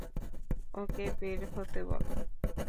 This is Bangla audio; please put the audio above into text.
ওকে বের হতে বলো।